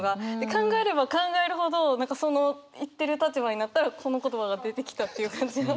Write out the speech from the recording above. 考えれば考えるほどその言ってる立場になったらこの言葉が出てきたっていう感じが。